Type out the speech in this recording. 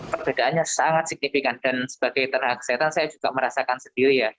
perbedaannya sangat signifikan dan sebagai tenaga kesehatan saya juga merasakan sendiri ya